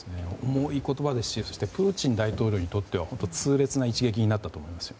重い言葉ですしそしてプーチン大統領にとっては本当に痛烈な一撃になったと思います。